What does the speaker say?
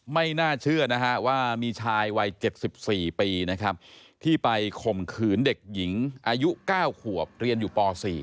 ไม่น่าเชื่อนะฮะว่ามีชายวัย๗๔ปีนะครับที่ไปข่มขืนเด็กหญิงอายุ๙ขวบเรียนอยู่ป๔